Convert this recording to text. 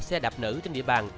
xe đạp nữ trên địa bàn